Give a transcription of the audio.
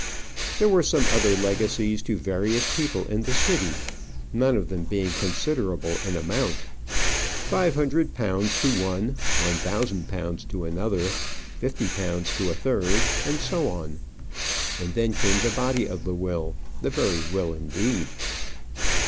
There were some other legacies to various people in the City, none of them being considerable in amount. Five hundred pounds to one, one thousand pounds to another, fifty pounds to a third, and so on. And then came the body of the will the very will indeed.